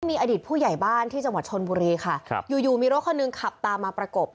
มีอดีตผู้ใหญ่บ้านที่จังหวัดชนบุรีค่ะครับอยู่อยู่มีรถคนหนึ่งขับตามมาประกบ